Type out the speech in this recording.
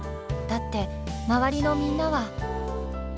だって周りのみんなは。